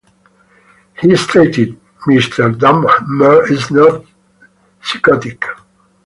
He stated, Mr. Dahmer is not psychotic.